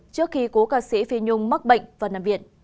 trước khi cố ca sĩ phi nhung mắc bệnh và nằm viện